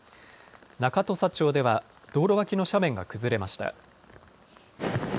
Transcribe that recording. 中土佐町では道路脇の斜面が崩れました。